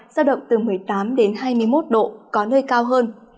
giao động từ một mươi tám đến hai mươi một độ có nơi cao hơn